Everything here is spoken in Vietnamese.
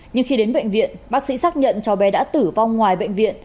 nhưng khi đến bệnh viện bác sĩ xác nhận cháu bé đã tử vong ngoài bệnh viện